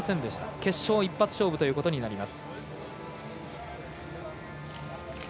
決勝一発勝負ということになります。